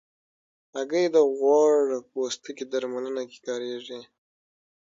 هګۍ د غوړ پوستکي درملنه کې کارېږي.